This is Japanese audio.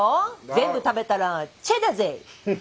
全部食べたらチェだぜ！